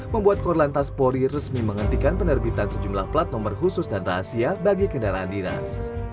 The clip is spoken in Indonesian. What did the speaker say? membuat korlantas polri resmi menghentikan penerbitan sejumlah plat nomor khusus dan rahasia bagi kendaraan dinas